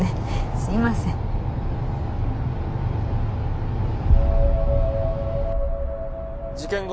すいません事件後